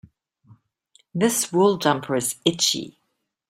This wool jumper is itchy.